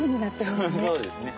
そうですね。